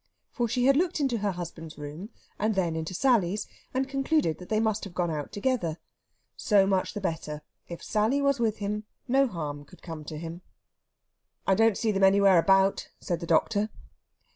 For she had looked into her husband's room, and then into Sally's, and concluded they must have gone out together. So much the better! If Sally was with him, no harm could come to him. "I don't see them anywhere about," said the doctor.